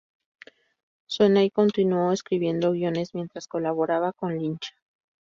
Sweeney continuó escribiendo guiones mientras colaboraba con Lynch.